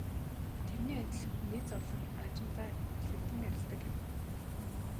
Тэрний адил хүний зовлон аажимдаа элэгдэн арилдаг юм.